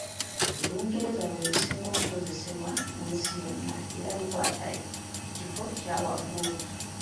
Olungereza lwe lusinga okukozesebwa mu nsi yonna era lukwata kifo kyawaggulu.